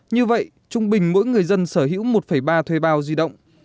như vậy trung bình mỗi người dân sở hữu một ba thuê bao di động